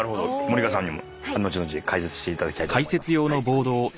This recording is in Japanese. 森川さんにも後々解説していただきたいと思います。